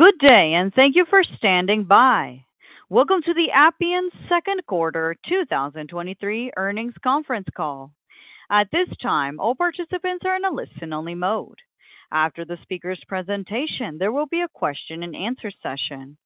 Good day, and thank you for standing by. Welcome to the Appian second quarter 2023 earnings conference call. At this time, all participants are in a listen-only mode. After the speaker's presentation, there will be a question-and-answer session.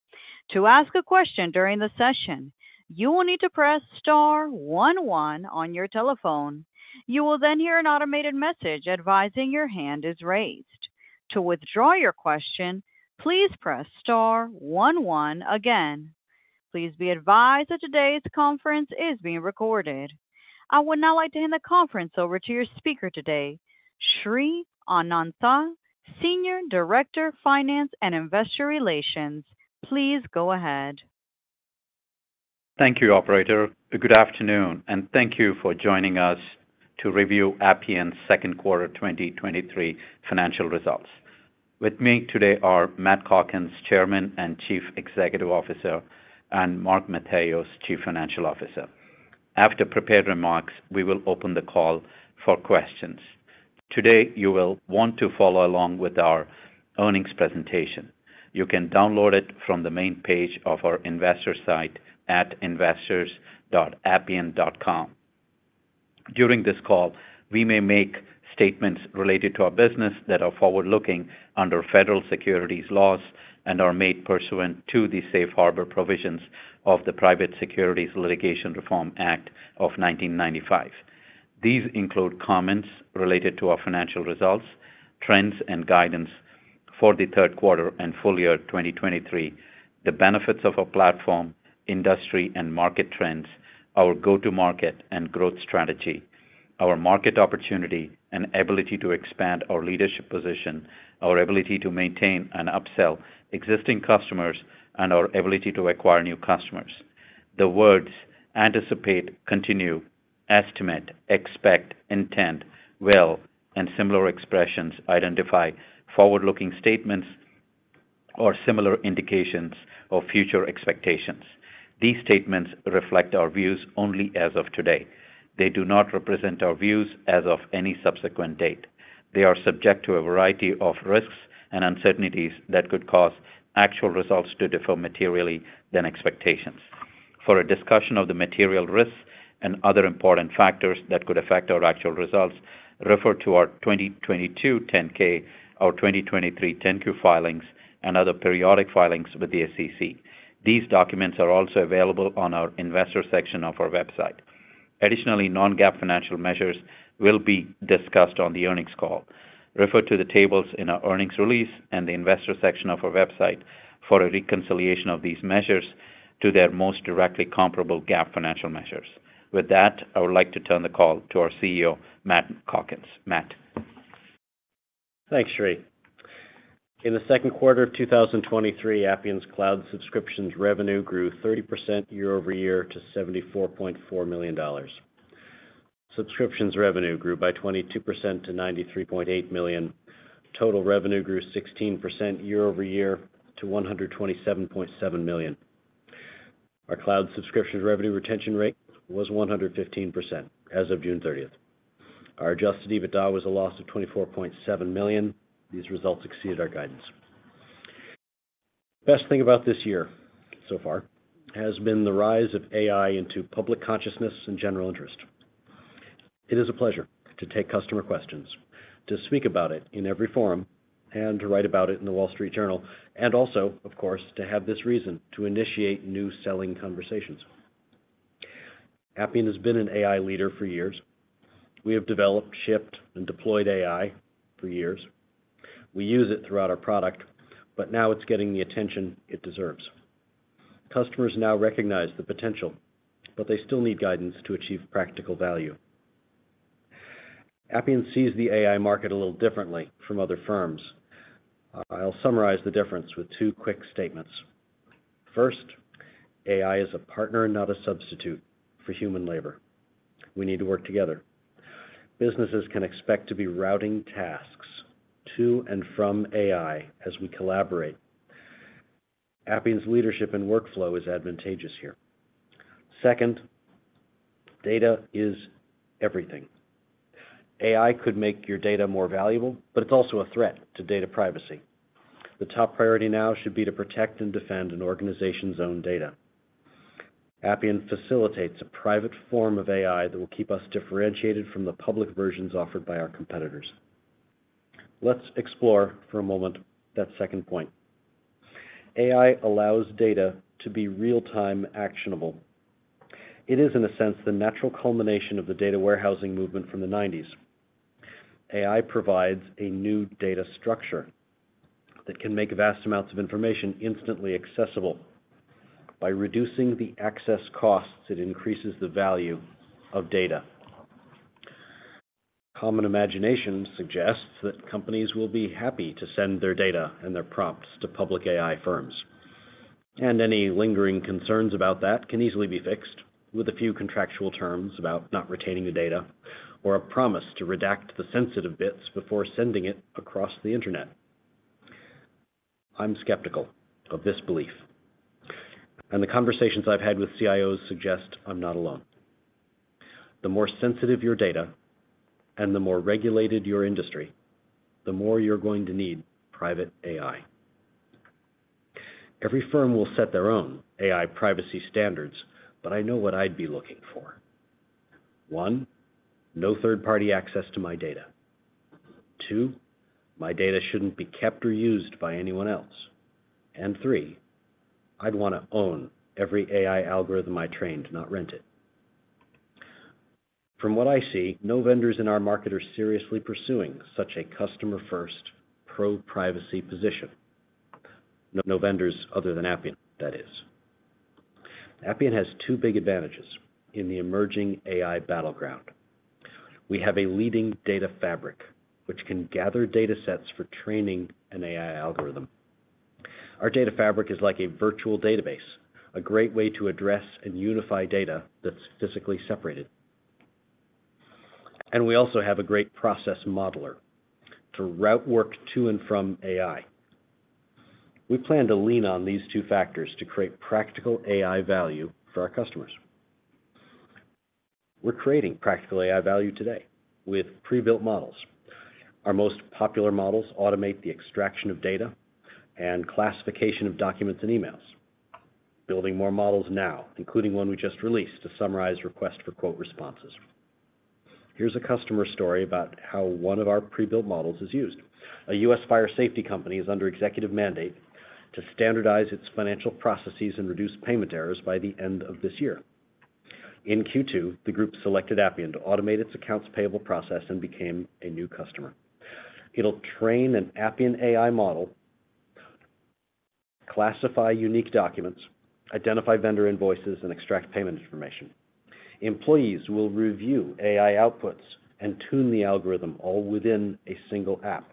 To ask a question during the session, you will need to press star 11 on your telephone. You will then hear an automated message advising your hand is raised. To withdraw your question, please press star 11 again. Please be advised that today's conference is being recorded. I would now like to hand the conference over to your speaker today, Sri Anantha, Senior Director, Finance and Investor Relations. Please go ahead. Thank you, operator. Good afternoon, and thank you for joining us to review Appian's second quarter 2023 financial results. With me today are Matt Calkins, Chairman and Chief Executive Officer, and Mark Matheos, Chief Financial Officer. After prepared remarks, we will open the call for questions. Today, you will want to follow along with our earnings presentation. You can download it from the main page of our investor site at investors.appian.com. During this call, we may make statements related to our business that are forward-looking under federal securities laws and are made pursuant to the Safe Harbor provisions of the Private Securities Litigation Reform Act of 1995. These include comments related to our financial results, trends and guidance for the third quarter and full year 2023, the benefits of our platform, industry and market trends, our go-to-market and growth strategy, our market opportunity and ability to expand our leadership position, our ability to maintain and upsell existing customers, and our ability to acquire new customers. The words anticipate, continue, estimate, expect, intend, will, and similar expressions identify forward-looking statements or similar indications of future expectations. These statements reflect our views only as of today. They do not represent our views as of any subsequent date. They are subject to a variety of risks and uncertainties that could cause actual results to differ materially than expectations. For a discussion of the material risks and other important factors that could affect our actual results, refer to our 2022 10-K, our 2023 10-Q filings, and other periodic filings with the SEC. These documents are also available on our investor section of our website. Additionally, non-GAAP financial measures will be discussed on the earnings call. Refer to the tables in our earnings release and the investor section of our website for a reconciliation of these measures to their most directly comparable GAAP financial measures. With that, I would like to turn the call to our CEO, Matt Calkins. Matt? Thanks, Sri. In the second quarter of 2023, Appian's Cloud subscription revenue grew 30% year-over-year to $74.4 million. Subscriptions revenue grew by 22% to $93.8 million. Total revenue grew 16% year-over-year to $127.7 million. Our Cloud subscription revenue retention rate was 115% as of June 30th. Our Adjusted EBITDA was a loss of $24.7 million. These results exceeded our guidance. Best thing about this year, so far, has been the rise of AI into public consciousness and general interest. It is a pleasure to take customer questions, to speak about it in every forum, and to write about it in The Wall Street Journal, also, of course, to have this reason to initiate new selling conversations. Appian has been an AI leader for years. We have developed, shipped, and deployed AI for years. We use it throughout our product, but now it's getting the attention it deserves. Customers now recognize the potential, but they still need guidance to achieve practical value. Appian sees the AI market a little differently from other firms. I'll summarize the difference with two quick statements. First, AI is a partner and not a substitute for human labor. We need to work together. Businesses can expect to be routing tasks to and from AI as we collaborate. Appian's leadership and workflow is advantageous here. Second, data is everything. AI could make your data more valuable, but it's also a threat to data privacy. The top priority now should be to protect and defend an organization's own data. Appian facilitates a private form of AI that will keep us differentiated from the public versions offered by our competitors. Let's explore for a moment that second point. AI allows data to be real-time actionable. It is, in a sense, the natural culmination of the data warehousing movement from the nineties. AI provides a new data structure that can make vast amounts of information instantly accessible. By reducing the access costs, it increases the value of data. Common imagination suggests that companies will be happy to send their data and their prompts to public AI firms, and any lingering concerns about that can easily be fixed with a few contractual terms about not retaining the data or a promise to redact the sensitive bits before sending it across the Internet. I'm skeptical of this belief, and the conversations I've had with CIOs suggest I'm not alone.... the more sensitive your data and the more regulated your industry, the more you're going to need private AI. Every firm will set their own AI privacy standards, but I know what I'd be looking for. One, no third-party access to my data. Two, my data shouldn't be kept or used by anyone else. Three, I'd want to own every AI algorithm I train, to not rent it. From what I see, no vendors in our market are seriously pursuing such a customer-first, pro-privacy position. No, no vendors other than Appian, that is. Appian has two big advantages in the emerging AI battleground. We have a leading Data Fabric, which can gather data sets for training an AI algorithm. Our Data Fabric is like a virtual database, a great way to address and unify data that's physically separated. We also have a great process modeler to route work to and from AI. We plan to lean on these two factors to create practical AI value for our customers. We're creating practical AI value today with prebuilt models. Our most popular models automate the extraction of data and classification of documents and emails. Building more models now, including one we just released to summarize request for quote responses. Here's a customer story about how one of our prebuilt models is used. A U.S. fire safety company is under executive mandate to standardize its financial processes and reduce payment errors by the end of this year. In Q2, the group selected Appian to automate its accounts payable process and became a new customer. It'll train an Appian AI model, classify unique documents, identify vendor invoices, and extract payment information. Employees will review AI outputs and tune the algorithm, all within a single app.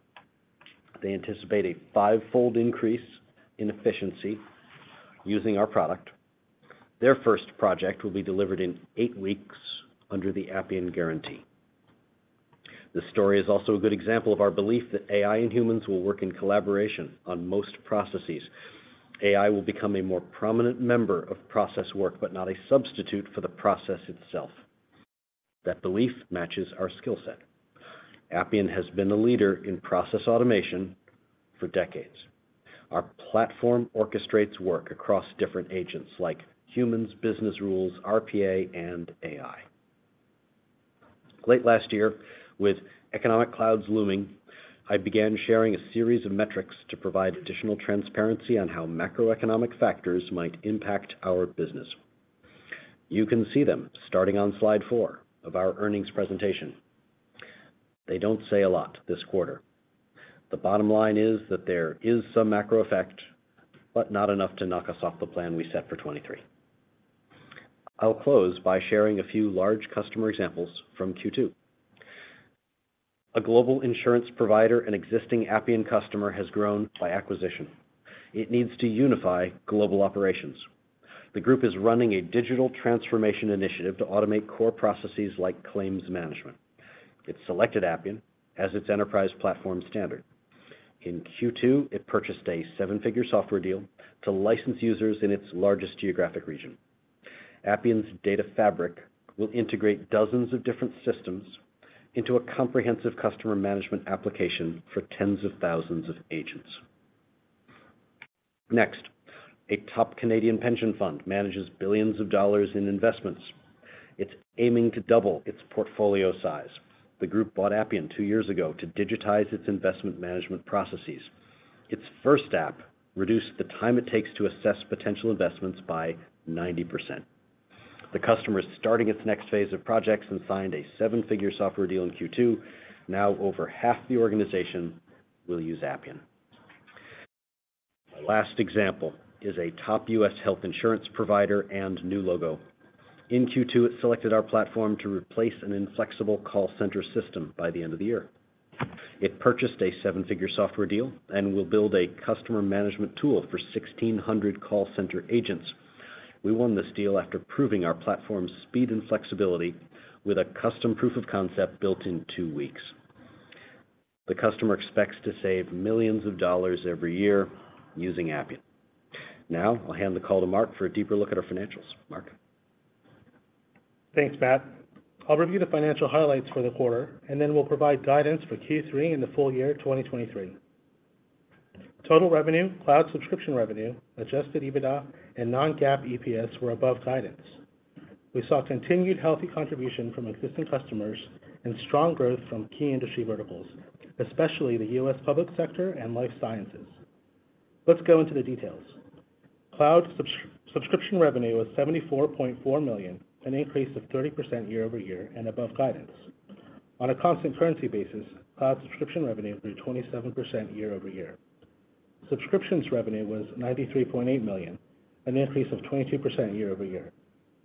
They anticipate a five-fold increase in efficiency using our product. Their first project will be delivered in 8 weeks under the Appian Guarantee. This story is also a good example of our belief that AI and humans will work in collaboration on most processes. AI will become a more prominent member of process work, but not a substitute for the process itself. That belief matches our skill set. Appian has been a leader in process automation for decades. Our platform orchestrates work across different agents, like humans, business rules, RPA, and AI. Late last year, with economic clouds looming, I began sharing a series of metrics to provide additional transparency on how macroeconomic factors might impact our business. You can see them starting on slide 4 of our earnings presentation. They don't say a lot this quarter. The bottom line is that there is some macro effect, but not enough to knock us off the plan we set for 2023. I'll close by sharing a few large customer examples from Q2. A global insurance provider and existing Appian customer, has grown by acquisition. It needs to unify global operations. The group is running a digital transformation initiative to automate core processes like claims management. It's selected Appian as its enterprise platform standard. In Q2, it purchased a seven-figure software deal to license users in its largest geographic region. Appian's Data Fabric will integrate dozens of different systems into a comprehensive customer management application for tens of thousands of agents. A top Canadian pension fund manages billions of dollars in investments. It's aiming to double its portfolio size. The group bought Appian 2 years ago to digitize its investment management processes. Its first app reduced the time it takes to assess potential investments by 90%. The customer is starting its next phase of projects and signed a $7-figure software deal in Q2. Now, over half the organization will use Appian. My last example is a top U.S. health insurance provider and new logo. In Q2, it selected our platform to replace an inflexible call center system by the end of the year. It purchased a $7-figure software deal and will build a customer management tool for 1,600 call center agents. We won this deal after proving our platform's speed and flexibility with a custom proof of concept built in two weeks. The customer expects to save millions of dollars every year using Appian. Now, I'll hand the call to Mark for a deeper look at our financials. Mark? Thanks, Matt. Then we'll provide guidance for Q3 in the full year, 2023. Total revenue, cloud subscription revenue, adjusted EBITDA, and non-GAAP EPS were above guidance. We saw continued healthy contribution from existing customers and strong growth from key industry verticals, especially the U.S. public sector and life sciences. Let's go into the details. Cloud subscription revenue was $74.4 million, an increase of 30% year-over-year and above guidance. On a constant currency basis, cloud subscription revenue grew 27% year-over-year. Subscriptions revenue was $93.8 million, an increase of 22% year-over-year.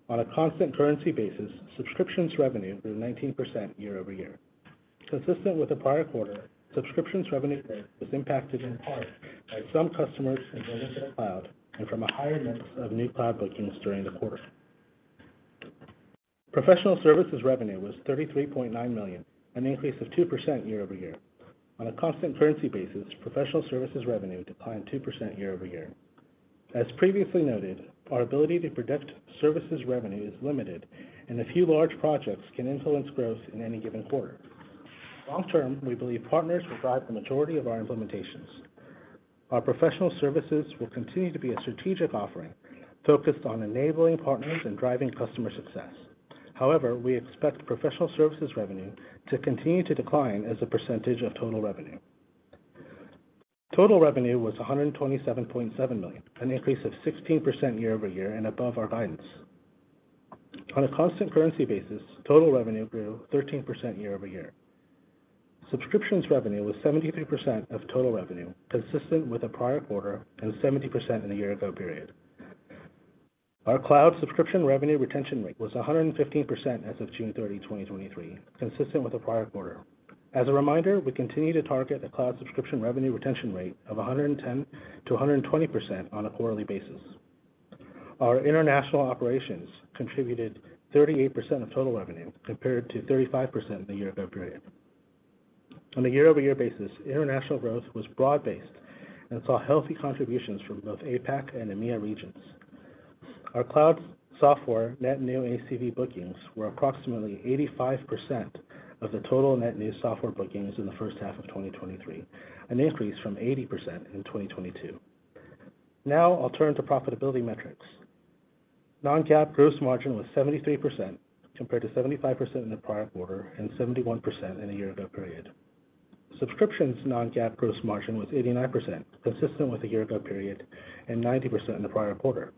On a constant currency basis, subscriptions revenue grew 19% year-over-year. Consistent with the prior quarter, subscriptions revenue growth was impacted in part by some customers moving to the cloud and from a higher mix of new cloud bookings during the quarter. Professional services revenue was $33.9 million, an increase of 2% year-over-year. On a constant currency basis, professional services revenue declined 2% year-over-year. As previously noted, our ability to predict services revenue is limited, and a few large projects can influence growth in any given quarter. Long term, we believe partners will drive the majority of our implementations. Our professional services will continue to be a strategic offering focused on enabling partners and driving customer success. However, we expect professional services revenue to continue to decline as a percentage of total revenue. Total revenue was $127.7 million, an increase of 16% year-over-year and above our guidance. On a constant currency basis, total revenue grew 13% year-over-year. Subscriptions revenue was 73% of total revenue, consistent with the prior quarter and 70% in the year-ago period. Our cloud subscription revenue retention rate was 115% as of June 30, 2023, consistent with the prior quarter. As a reminder, we continue to target a cloud subscription revenue retention rate of 110% to 120% on a quarterly basis. Our international operations contributed 38% of total revenue, compared to 35% in the year-ago period. On a year-over-year basis, international growth was broad-based and saw healthy contributions from both APAC and EMEA regions. Our cloud software net new ACV bookings were approximately 85% of the total net new software bookings in the first half of 2023, an increase from 80% in 2022. I'll turn to profitability metrics. Non-GAAP gross margin was 73%, compared to 75% in the prior quarter and 71% in the year ago period. Subscriptions non-GAAP gross margin was 89%, consistent with the year ago period, and 90% in the prior quarter.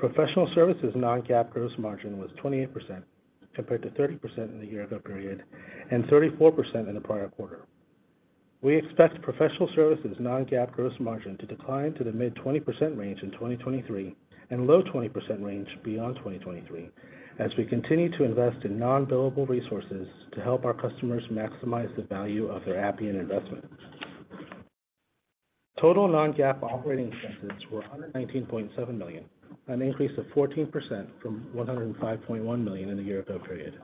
Professional services non-GAAP gross margin was 28%, compared to 30% in the year ago period and 34% in the prior quarter. We expect professional services non-GAAP gross margin to decline to the mid-20% range in 2023, and low 20% range beyond 2023, as we continue to invest in non-billable resources to help our customers maximize the value of their Appian investment. Total non-GAAP operating expenses were $119.7 million, an increase of 14% from $105.1 million in the year ago period.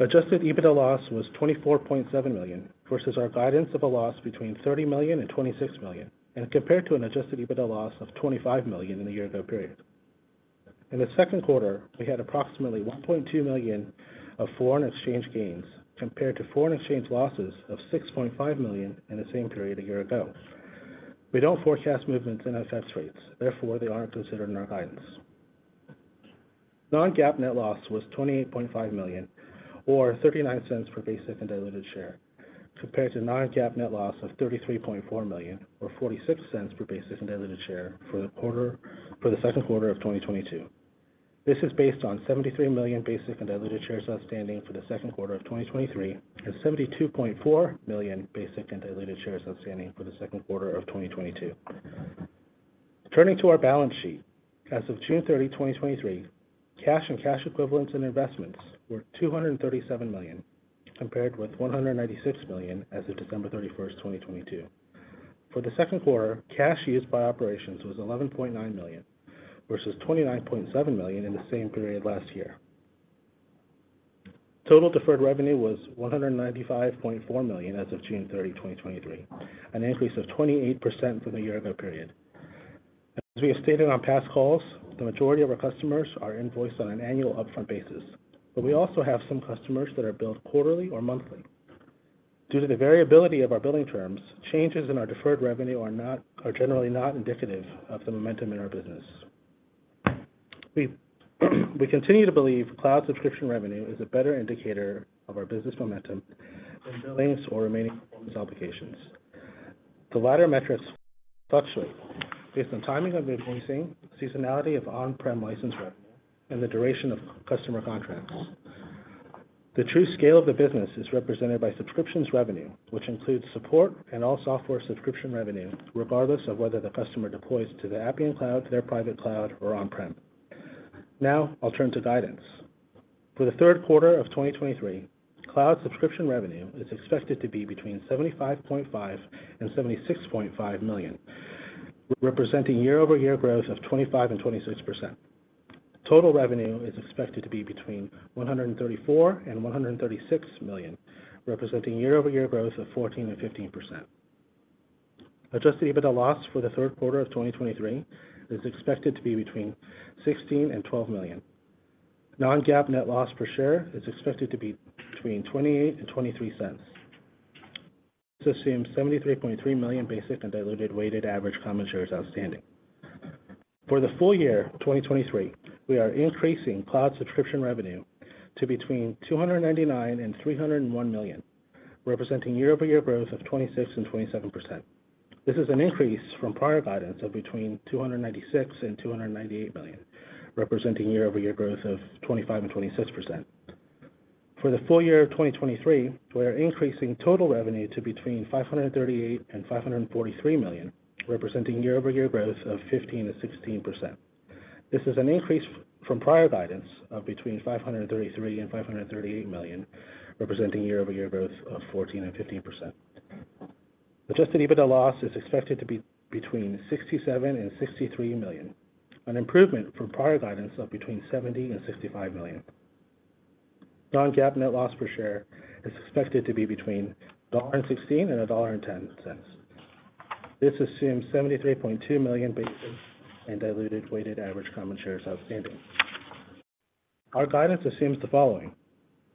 Adjusted EBITDA loss was $24.7 million, versus our guidance of a loss between $30 million and $26 million, and compared to an Adjusted EBITDA loss of $25 million in the year ago period. In the second quarter, we had approximately $1.2 million of foreign exchange gains, compared to foreign exchange losses of $6.5 million in the same period a year ago. We don't forecast movements in FX rates, therefore, they aren't considered in our guidance. Non-GAAP net loss was $28.5 million or $0.39 per basic and diluted share, compared to non-GAAP net loss of $33.4 million or $0.46 per basic and diluted share for the second quarter of 2022. This is based on 73 million basic and diluted shares outstanding for the second quarter of 2023, and 72.4 million basic and diluted shares outstanding for the second quarter of 2022. Turning to our balance sheet. As of June 30, 2023, cash and cash equivalents and investments were $237 million, compared with $196 million as of December 31, 2022. For the second quarter, cash used by operations was $11.9 million, versus $29.7 million in the same period last year. Total deferred revenue was $195.4 million as of June 30, 2023, an increase of 28% from the year-ago period. As we have stated on past calls, the majority of our customers are invoiced on an annual upfront basis, but we also have some customers that are billed quarterly or monthly. Due to the variability of our billing terms, changes in our deferred revenue are generally not indicative of the momentum in our business. We continue to believe cloud subscription revenue is a better indicator of our business momentum than billings or remaining performance obligations. The latter metrics fluctuate based on timing of invoicing, seasonality of on-prem license revenue, and the duration of customer contracts. The true scale of the business is represented by subscriptions revenue, which includes support and all software subscription revenue, regardless of whether the customer deploys to the Appian Cloud, their private cloud, or on-prem. Now, I'll turn to guidance. For the third quarter of 2023, cloud subscription revenue is expected to be between $75.5 million and $76.5 million, representing year-over-year growth of 25% and 26%. Total revenue is expected to be between $134 million and $136 million, representing year-over-year growth of 14% and 15%. Adjusted EBITDA loss for the third quarter of 2023 is expected to be between $16 million and $12 million. Non-GAAP net loss per share is expected to be between $0.28 and $0.23. This assumes 73.3 million basic and diluted weighted average common shares outstanding. For the full year 2023, we are increasing cloud subscription revenue to between $299 million and $301 million, representing year-over-year growth of 26% and 27%. This is an increase from prior guidance of between $296 million and $298 million, representing year-over-year growth of 25% and 26%. For the full year of 2023, we are increasing total revenue to between $538 million and $543 million, representing year-over-year growth of 15%-16%. This is an increase from prior guidance of between $533 million and $538 million, representing year-over-year growth of 14% and 15%. Adjusted EBITDA loss is expected to be between $67 million and $63 million, an improvement from prior guidance of between $70 million and $65 million. Non-GAAP net loss per share is expected to be between $1.16 and $1.10. This assumes 73.2 million basic and diluted weighted average common shares outstanding. Our guidance assumes the following.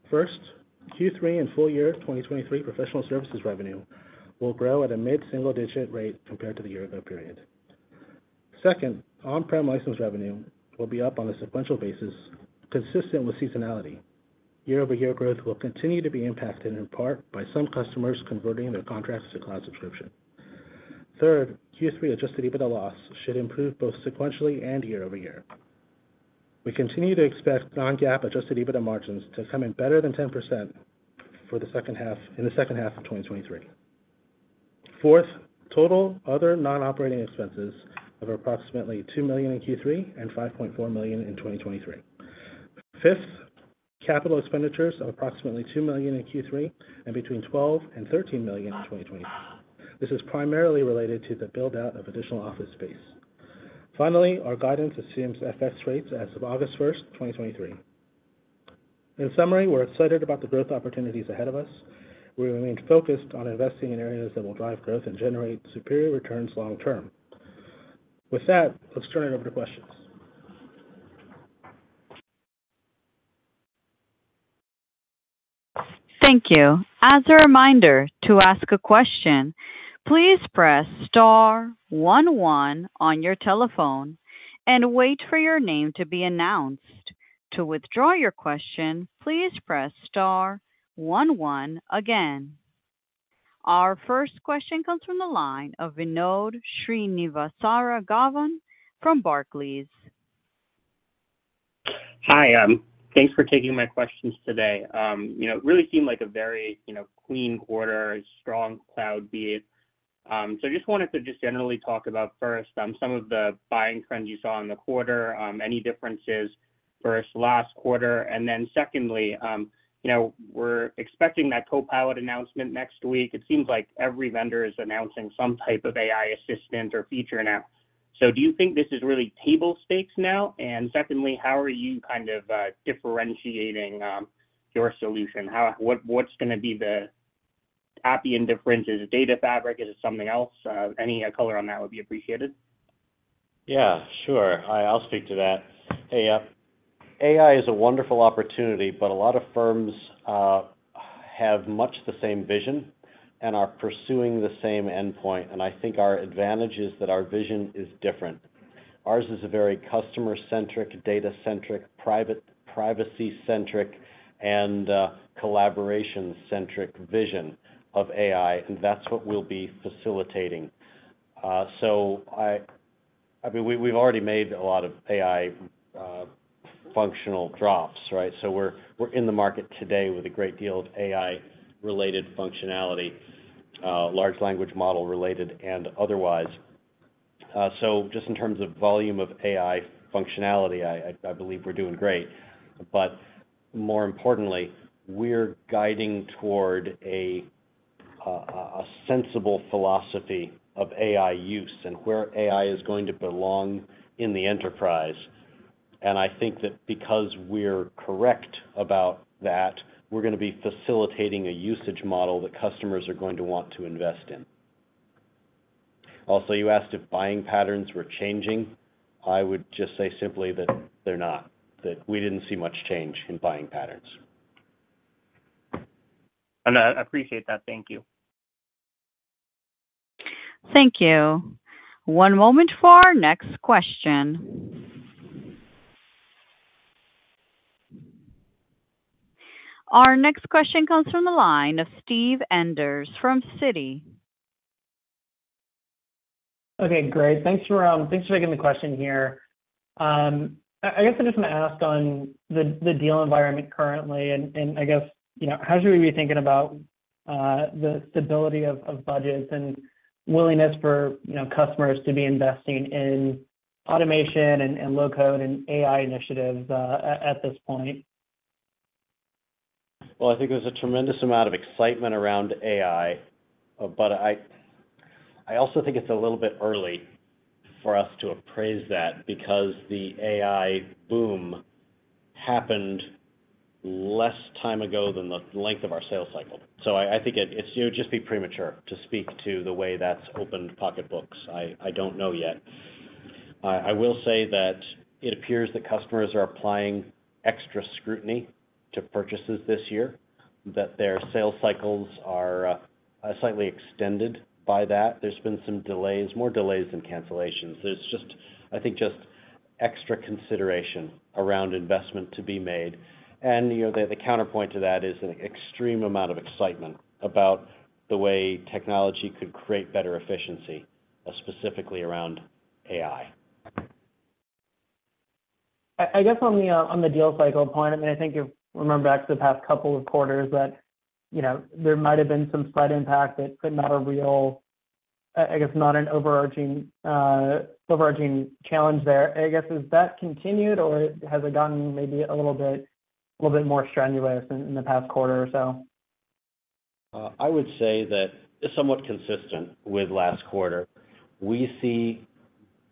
First, Q3 and full year 2023 professional services revenue will grow at a mid-single-digit rate compared to the year-ago period. Second, on-prem license revenue will be up on a sequential basis, consistent with seasonality. Year-over-year growth will continue to be impacted in part by some customers converting their contracts to cloud subscription. Third, Q3 Adjusted EBITDA loss should improve both sequentially and year-over-year. We continue to expect non-GAAP Adjusted EBITDA margins to come in better than 10% for the second half, in the second half of 2023. Fourth, total other non-operating expenses of approximately $2 million in Q3 and $5.4 million in 2023. Fifth, capital expenditures of approximately $2 million in Q3 and between $12 million and $13 million in 2023. This is primarily related to the build-out of additional office space. Finally, our guidance assumes FX rates as of August 1, 2023. In summary, we're excited about the growth opportunities ahead of us. We remain focused on investing in areas that will drive growth and generate superior returns long term. With that, let's turn it over to questions. Thank you. As a reminder, to ask a question, please press star 1 1 on your telephone and wait for your name to be announced. To withdraw your question, please press star 1 1 again. Our first question comes from the line of Vinod Srinivasaraghavan from Barclays. Hi, thanks for taking my questions today. You know, it really seemed like a very, you know, clean quarter, strong cloud beat. So I just wanted to just generally talk about first, some of the buying trends you saw in the quarter, any differences versus last quarter. Then secondly, you know, we're expecting that Copilot announcement next week. It seems like every vendor is announcing some type of AI assistant or feature now. So do you think this is really table stakes now? Secondly, how are you kind of differentiating your solution? How- what, what's gonna be the Appian difference? Is it Data Fabric? Is it something else? Any color on that would be appreciated. Yeah, sure. I, I'll speak to that. AI, AI is a wonderful opportunity, but a lot of firms have much the same vision and are pursuing the same endpoint. I think our advantage is that our vision is different. Ours is a very customer-centric, data-centric, privacy-centric, and collaboration-centric vision of AI, and that's what we'll be facilitating. I mean, we, we've already made a lot of AI functional drops, right? We're, we're in the market today with a great deal of AI-related functionality, large language model-related and otherwise. Just in terms of volume of AI functionality, I, I, I believe we're doing great. More importantly, we're guiding toward a sensible philosophy of AI use and where AI is going to belong in the enterprise. I think that because we're correct about that, we're gonna be facilitating a usage model that customers are going to want to invest in. Also, you asked if buying patterns were changing. I would just say simply that they're not, that we didn't see much change in buying patterns. I, I appreciate that. Thank you. Thank you. One moment for our next question. Our next question comes from the line of Steve Enders from Citi. Okay, great. Thanks for, thanks for taking the question here. I, I guess I just want to ask on the, the deal environment currently, and, and I guess, you know, how should we be thinking about the stability of, of budgets and willingness for, you know, customers to be investing in automation and, and low-code and AI initiatives, at, at this point? I think there's a tremendous amount of excitement around AI, but I, I also think it's a little bit early for us to appraise that, because the AI boom happened less time ago than the length of our sales cycle. I, I think it would just be premature to speak to the way that's opened pocketbooks. I, I don't know yet. I will say that it appears that customers are applying extra scrutiny to purchases this year, that their sales cycles are slightly extended by that. There's been some delays, more delays than cancellations. There's just, I think, just extra consideration around investment to be made. You know, the, the counterpoint to that is an extreme amount of excitement about the way technology could create better efficiency, specifically around AI. I guess on the deal cycle point, I mean, I think if remember back to the past couple of quarters that, you know, there might have been some slight impact, but not a real, I guess, not an overarching, overarching challenge there. I guess, has that continued or has it gotten maybe a little bit, little bit more strenuous in the past quarter or so? I would say that it's somewhat consistent with last quarter. We see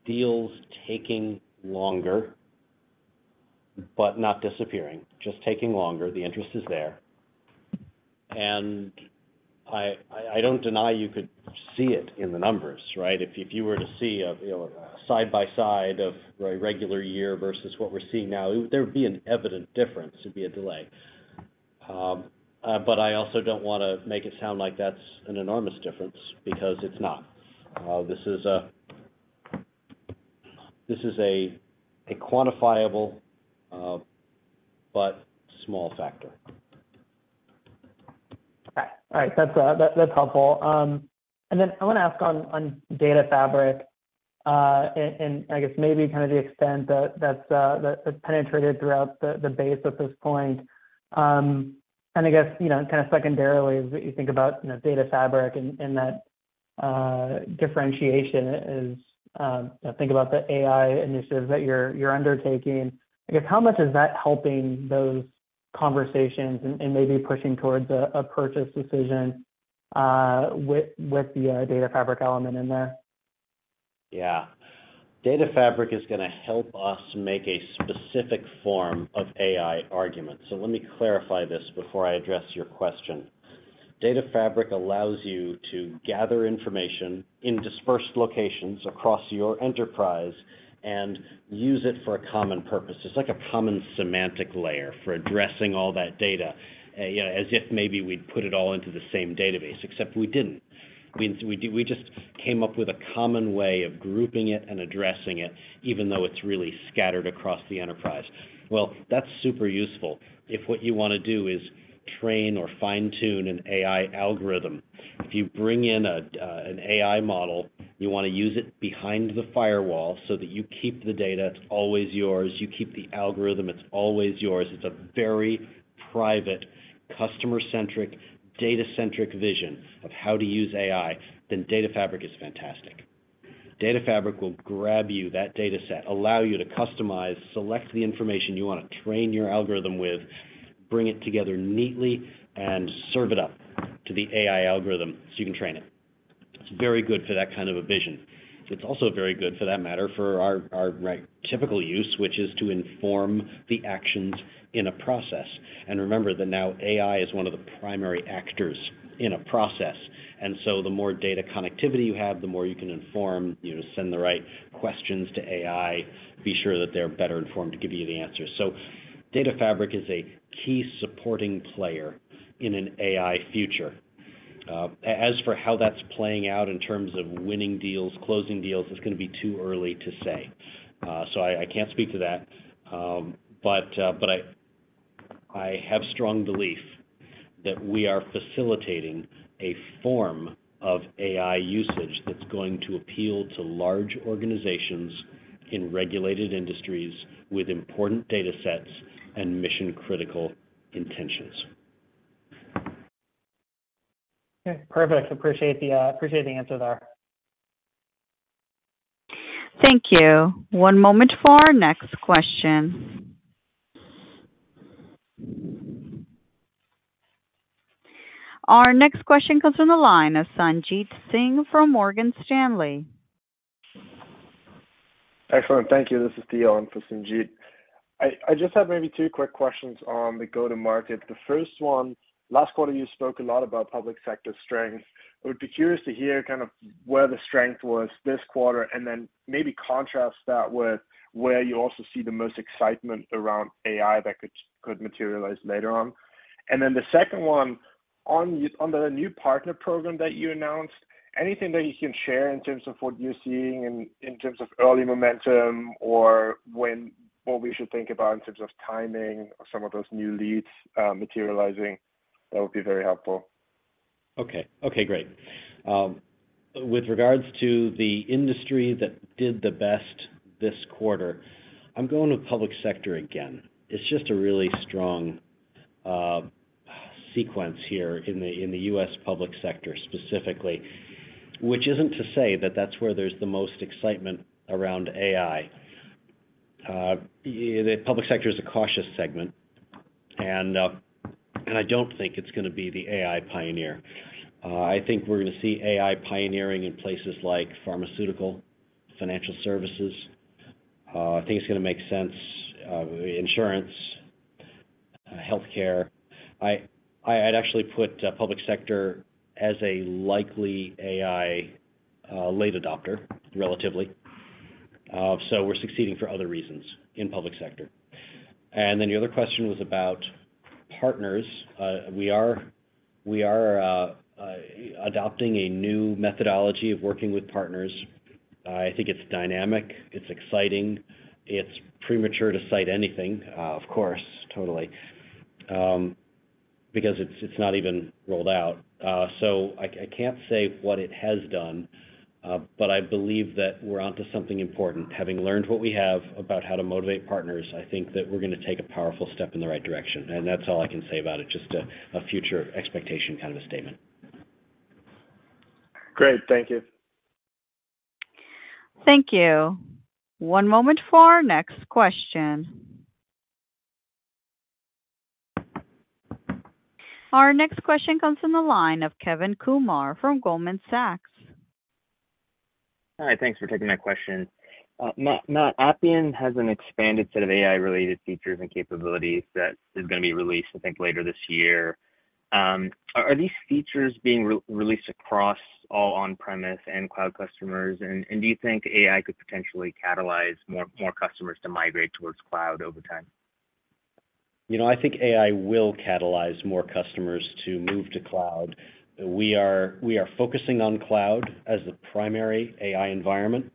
deals taking longer, but not disappearing, just taking longer. The interest is there. I, I, I don't deny you could see it in the numbers, right? If, if you were to see a, you know, side-by-side of a regular year versus what we're seeing now, there would be an evident difference. There'd be a delay. I also don't wanna make it sound like that's an enormous difference because it's not. This is a, this is a quantifiable, but small factor. All right. That's helpful. Then I wanna ask on Data Fabric, and I guess maybe kind of the extent that that's that has penetrated throughout the base at this point. I guess, you know, kind of secondarily, is that you think about, you know, Data Fabric and that differentiation as I think about the AI initiative that you're undertaking. I guess, how much is that helping those conversations and maybe pushing towards a purchase decision with the Data Fabric element in there? Yeah. Data Fabric is gonna help us make a specific form of AI argument. Let me clarify this before I address your question. Data Fabric allows you to gather information in dispersed locations across your enterprise and use it for a common purpose. It's like a common semantic layer for addressing all that data, you know, as if maybe we'd put it all into the same database, except we didn't. We just came up with a common way of grouping it and addressing it, even though it's really scattered across the enterprise. That's super useful if what you wanna do is train or fine-tune an AI algorithm. If you bring in an AI model, you wanna use it behind the firewall so that you keep the data, it's always yours, you keep the algorithm, it's always yours. It's a very private, customer-centric, data-centric vision of how to use AI, then Data Fabric is fantastic. Data Fabric will grab you that data set, allow you to customize, select the information you wanna train your algorithm with, bring it together neatly, and serve it up to the AI algorithm so you can train it. It's very good for that kind of a vision. It's also very good, for that matter, for our, our, like, typical use, which is to inform the actions in a process. Remember that now AI is one of the primary actors in a process, and so the more data connectivity you have, the more you can inform, you know, send the right questions to AI, be sure that they're better informed to give you the answers. Data Fabric is a key supporting player in an AI future. As for how that's playing out in terms of winning deals, closing deals, it's gonna be too early to say. I, I can't speak to that. I, I have strong belief that we are facilitating a form of AI usage that's going to appeal to large organizations in regulated industries with important data sets and mission-critical intentions. Okay, perfect. Appreciate the, appreciate the answer there. Thank you. One moment for our next question. Our next question comes from the line of Sanjit Singh from Morgan Stanley. Excellent. Thank you. This is Theo in for Sanjit. I just have maybe two quick questions on the go-to-market. The first one, last quarter, you spoke a lot about public sector strength. I would be curious to hear kind of where the strength was this quarter, and then maybe contrast that with where you also see the most excitement around AI that could, could materialize later on. The second one, on the new partner program that you announced, anything that you can share in terms of what you're seeing in, in terms of early momentum or what we should think about in terms of timing of some of those new leads, materializing, that would be very helpful. Okay. Okay, great. With regards to the industry that did the best this quarter, I'm going with public sector again. It's just a really strong sequence here in the U.S. public sector, specifically, which isn't to say that that's where there's the most excitement around AI. The public sector is a cautious segment, and I don't think it's gonna be the AI pioneer. I think we're gonna see AI pioneering in places like pharmaceutical, financial services. I think it's gonna make sense, insurance, healthcare. I'd actually put public sector as a likely AI late adopter, relatively. So we're succeeding for other reasons in public sector. The other question was about partners. We are, we are, adopting a new methodology of working with partners. I think it's dynamic, it's exciting. It's premature to cite anything, of course, totally, because it's, it's not even rolled out. I, I can't say what it has done, but I believe that we're onto something important. Having learned what we have about how to motivate partners, I think that we're gonna take a powerful step in the right direction, and that's all I can say about it. Just a future expectation, kind of a statement. Great. Thank you. Thank you. One moment for our next question. Our next question comes from the line of Kevin Kumar from Goldman Sachs. Hi, thanks for taking my question. Matt, Appian has an expanded set of AI-related features and capabilities that is going to be released, I think, later this year. Are these features being re-released across all on-premise and cloud customers? Do you think AI could potentially catalyze more, more customers to migrate towards cloud over time? You know, I think AI will catalyze more customers to move to cloud. We are, we are focusing on cloud as the primary AI environment.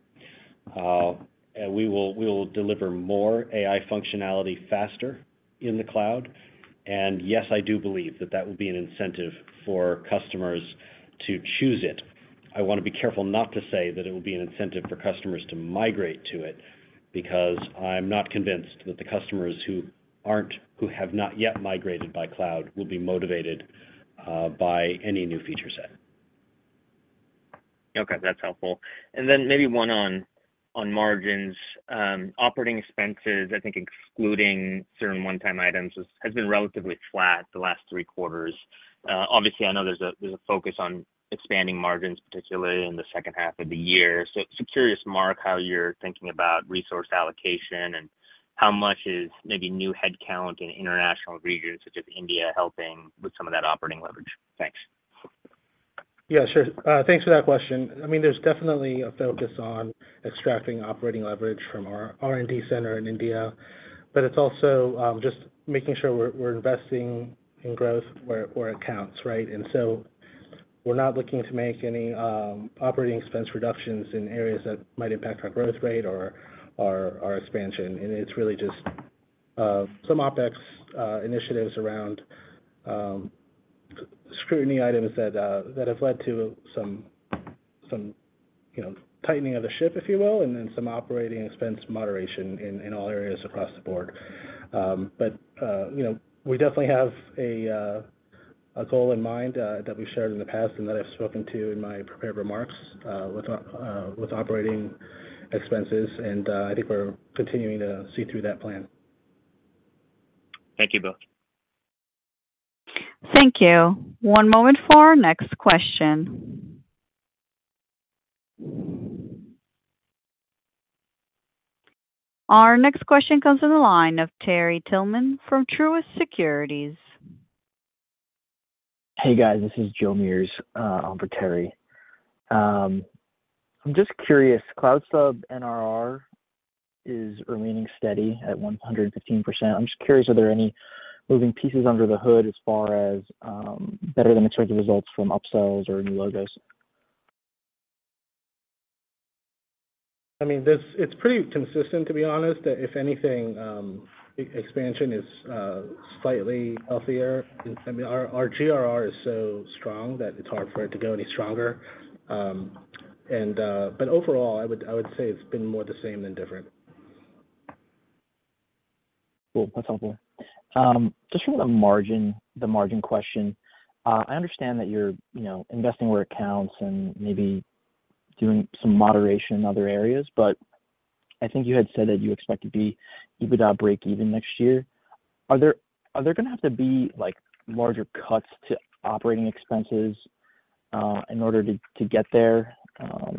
We will, we will deliver more AI functionality faster in the cloud. Yes, I do believe that that will be an incentive for customers to choose it. I want to be careful not to say that it will be an incentive for customers to migrate to it, because I'm not convinced that the customers who aren't, who have not yet migrated by cloud, will be motivated, by any new feature set. Okay, that's helpful. Maybe one on margins. Operating expenses, I think excluding certain one-time items, has been relatively flat the last three quarters. Obviously, I know there's a focus on expanding margins, particularly in the second half of the year. Curious, Mark, how you're thinking about resource allocation and how much is maybe new headcount in international regions, such as India, helping with some of that operating leverage? Thanks. Yeah, sure. Thanks for that question. I mean, there's definitely a focus on extracting operating leverage from our R&D center in India, but it's also, just making sure we're, we're investing in growth where, where it counts, right? We're not looking to make any, operating expense reductions in areas that might impact our growth rate or our, our expansion. It's really just, some OpEx, initiatives around, scrutiny items that, that have led to some, some, you know, tightening of the ship, if you will, and then some operating expense moderation in, in all areas across the board. You know, we definitely have a goal in mind that we shared in the past and that I've spoken to in my prepared remarks with operating expenses, and I think we're continuing to see through that plan. Thank you both. Thank you. One moment for our next question. Our next question comes to the line of Terry Tillman from Truist Securities. Hey, guys, this is Joe Meares, on for Terry. I'm just curious, CloudSub NRR is remaining steady at 115%. I'm just curious, are there any moving pieces under the hood as far as better than expected results from upsells or new logos? I mean, this, it's pretty consistent, to be honest. If anything, e-expansion is slightly healthier. I mean, our GRR is so strong that it's hard for it to go any stronger. Overall, I would say it's been more the same than different. Cool. That's helpful. Just from the margin, the margin question, I understand that you're, you know, investing where it counts and maybe doing some moderation in other areas, but I think you had said that you expect to be EBITDA breakeven next year. Are there, are there going to have to be larger cuts to operating expenses in order to, to get there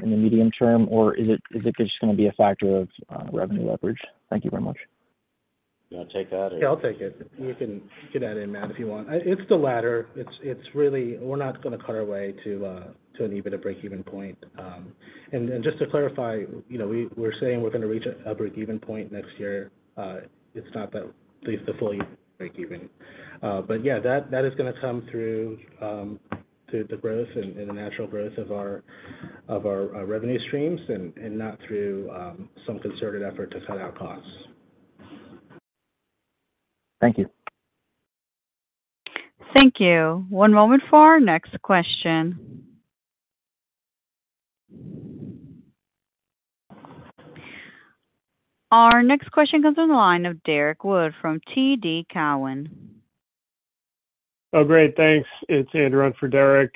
in the medium term, or is it, is it just going to be a factor of revenue leverage? Thank you very much. You want to take that or? Yeah, I'll take it. You can get add in, Matt, if you want. It's the latter. It's, it's really, we're not going to cut our way to an EBITDA breakeven point. Just to clarify, you know, we're saying we're going to reach a breakeven point next year. It's not that leads to fully breakeven. Yeah, that, that is going to come through to the growth and, and the natural growth of our, of our revenue streams and, and not through some concerted effort to cut out costs. Thank you. Thank you. One moment for our next question. Our next question comes in the line of Derrick Wood from TD Cowen. Oh, great. Thanks. It's Andrew on for Derrick.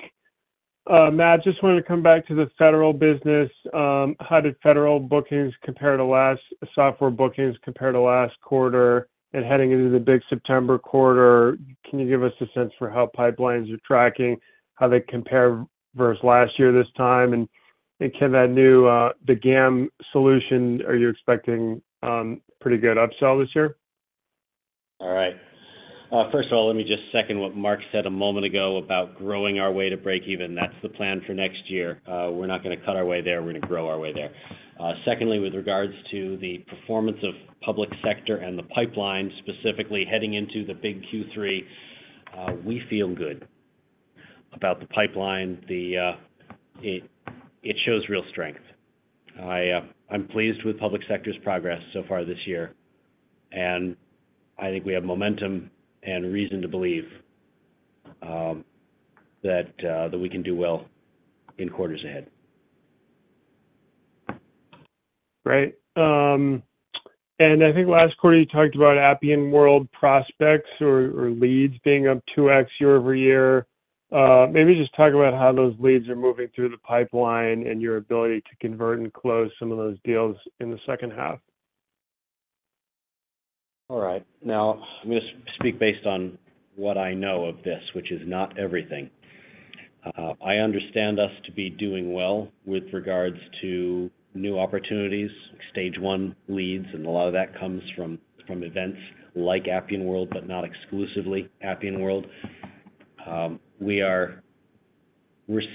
Matt, just wanted to come back to the federal business. How did federal bookings compare to software bookings compare to last quarter? Heading into the big September quarter, can you give us a sense for how pipelines are tracking, how they compare versus last year, this time? Can that new the GAM solution, are you expecting pretty good upsell this year? All right. First of all, let me just second what Mark said a moment ago about growing our way to breakeven. That's the plan for next year. We're not going to cut our way there. We're going to grow our way there. Secondly, with regards to the performance of public sector and the pipeline, specifically heading into the big Q3, we feel good about the pipeline. The, it, it shows real strength. I, I'm pleased with public sector's progress so far this year, and I think we have momentum and reason to believe that we can do well in quarters ahead.... Right. I think last quarter, you talked about Appian World prospects or leads being up 2x year-over-year. Maybe just talk about how those leads are moving through the pipeline and your ability to convert and close some of those deals in the second half. All right. Now, I'm going to speak based on what I know of this, which is not everything. I understand us to be doing well with regards to new opportunities, stage one leads, and a lot of that comes from, from events like Appian World, but not exclusively Appian World. we're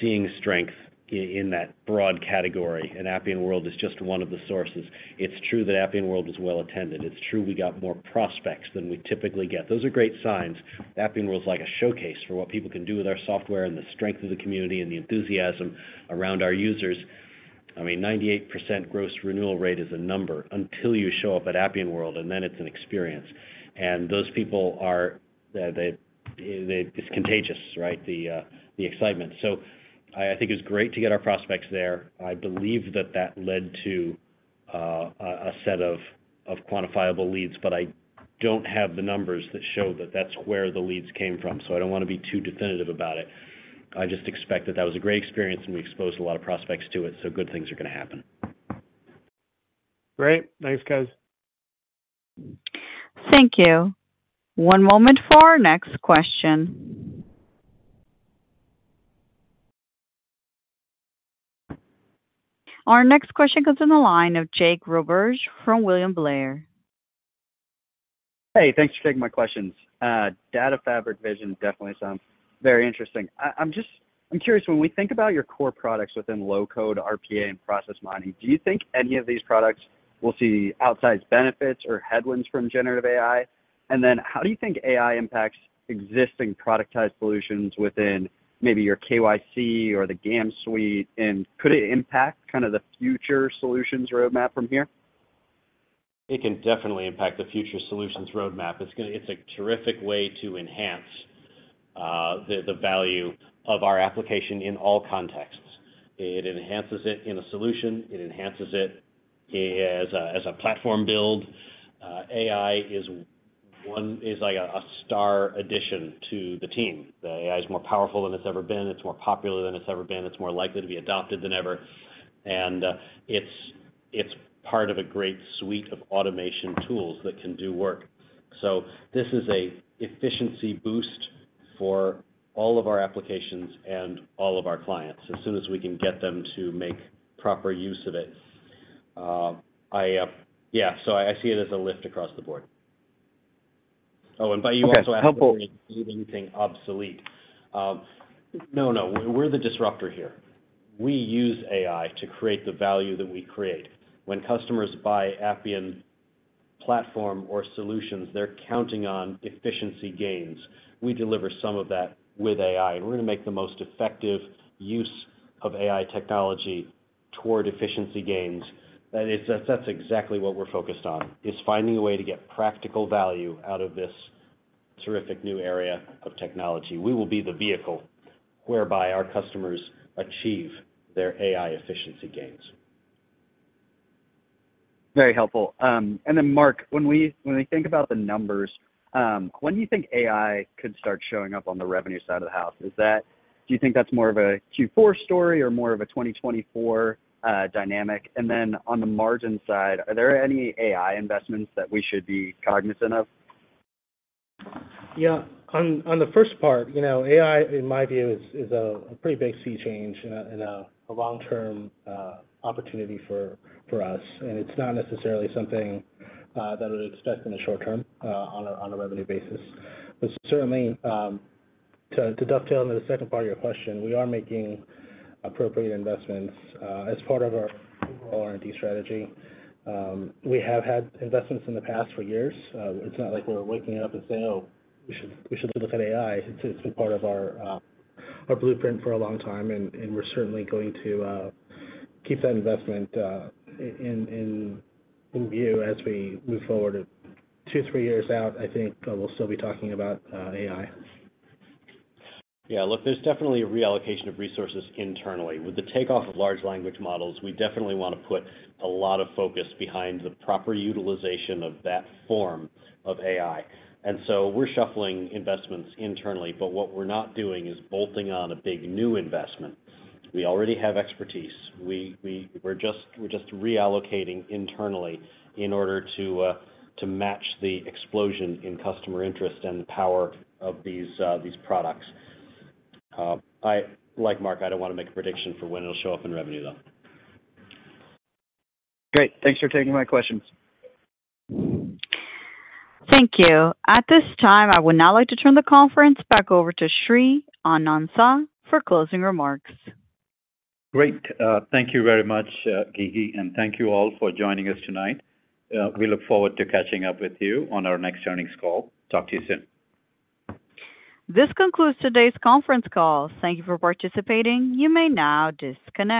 seeing strength in that broad category, and Appian World is just one of the sources. It's true that Appian World is well attended. It's true we got more prospects than we typically get. Those are great signs. Appian World's like a showcase for what people can do with our software and the strength of the community and the enthusiasm around our users. I mean, 98% gross renewal rate is a number until you show up at Appian World, and then it's an experience. Those people are, it's contagious, right? The excitement. I think it's great to get our prospects there. I believe that that led to a set of quantifiable leads, I don't have the numbers that show that that's where the leads came from, I don't want to be too definitive about it. I just expect that that was a great experience, and we exposed a lot of prospects to it, good things are going to happen. Great. Thanks, guys. Thank you. One moment for our next question. Our next question comes in the line of Jake Roberge from William Blair. Hey, thanks for taking my questions. Data Fabric vision definitely sounds very interesting. I'm curious, when we think about your core products within low-code, RPA, and process mining, do you think any of these products will see outsized benefits or headwinds from generative AI? How do you think AI impacts existing productized solutions within maybe your KYC or the GAM suite, and could it impact kind of the future solutions roadmap from here? It can definitely impact the future solutions roadmap. It's a terrific way to enhance the value of our application in all contexts. It enhances it in a solution. It enhances it as a platform build. AI is like a star addition to the team. The AI is more powerful than it's ever been. It's more popular than it's ever been. It's more likely to be adopted than ever, and it's part of a great suite of automation tools that can do work. This is a efficiency boost for all of our applications and all of our clients, as soon as we can get them to make proper use of it. I... Yeah, I see it as a lift across the board. By you also asking anything obsolete. No, no, we're the disruptor here. We use AI to create the value that we create. When customers buy Appian platform or solutions, they're counting on efficiency gains. We deliver some of that with AI, and we're going to make the most effective use of AI technology toward efficiency gains. That is, that's exactly what we're focused on, is finding a way to get practical value out of this terrific new area of technology. We will be the vehicle whereby our customers achieve their AI efficiency gains. Very helpful. Mark, when we, when we think about the numbers, when do you think AI could start showing up on the revenue side of the house? Do you think that's more of a Q4 story or more of a 2024 dynamic? Then on the margin side, are there any AI investments that we should be cognizant of? Yeah. On, on the first part, you know, AI, in my view, is, is a pretty big sea change and a long-term opportunity for us, and it's not necessarily something that I'd expect in the short term on a revenue basis. Certainly, to dovetail into the second part of your question, we are making appropriate investments as part of our overall R&D strategy. We have had investments in the past for years. It's not like we're waking up and say, "Oh, we should, we should look at AI." It's, it's been part of our blueprint for a long time, and we're certainly going to keep that investment in view as we move forward. Two, three years out, I think, we'll still be talking about AI. Yeah, look, there's definitely a reallocation of resources internally. With the takeoff of large language models, we definitely want to put a lot of focus behind the proper utilization of that form of AI. We're shuffling investments internally, but what we're not doing is bolting on a big new investment. We already have expertise. We're just, we're just reallocating internally in order to match the explosion in customer interest and the power of these products. I, like Mark, I don't want to make a prediction for when it'll show up in revenue, though. Great. Thanks for taking my questions. Thank you. At this time, I would now like to turn the conference back over to Sri Anantha for closing remarks. Great. Thank you very much, Gigi, and thank you all for joining us tonight. We look forward to catching up with you on our next earnings call. Talk to you soon. This concludes today's conference call. Thank you for participating. You may now disconnect.